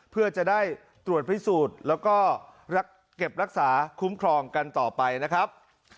เพื่อจะได้ตรวจพิสูจน์แล้วก็เก็บรักษาคุ้มครองกันต่อไปนะครับ